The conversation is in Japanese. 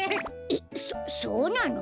えっそそうなの？